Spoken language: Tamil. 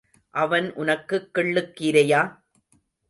அவன் உனக்குக் கிள்ளுக் கீரையா?